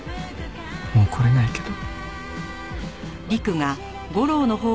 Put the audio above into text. もう来れないけど。